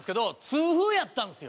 痛風やったんですよ。